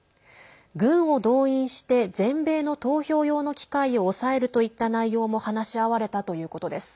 軍を動員して全米の投票用の機械を押さえるといった内容も話し合われたということです。